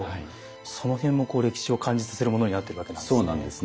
そのへんもこう歴史を感じさせるものになってるわけなんですね。